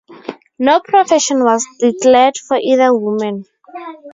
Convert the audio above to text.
No profession was declared for either woman.